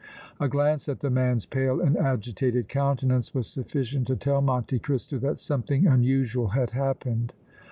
A glance at the man's pale and agitated countenance was sufficient to tell Monte Cristo that something unusual had happened.